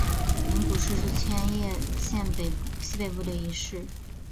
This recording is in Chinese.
镰谷市是千叶县西北部的一市。